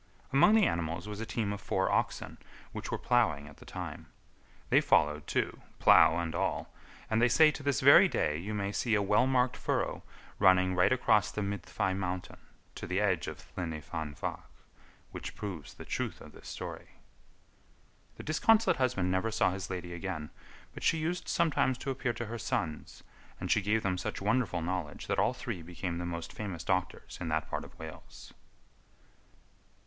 Among the animals was a team of four oxen which were ploughing at the time. They followed, too, plough and all, and, they say, to this very day you may see a well marked furrow running right across the Myddfai mountain to the edge of Llyn y Fan Fach, which proves the truth of this story. The disconsolate husband never saw his lady again, but she used sometimes to appear to her sons, and she gave them such wonderful knowledge that all three became the most famous doctors in that part of Wales.